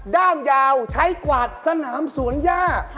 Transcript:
ด้ามยาวใช้กวาดสนามสวนย่า